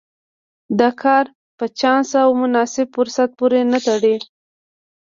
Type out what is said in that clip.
دا کار په چانس او مناسب فرصت پورې نه تړي.